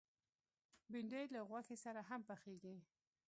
بېنډۍ له غوښې سره هم پخېږي